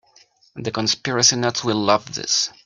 The conspiracy nuts will love this.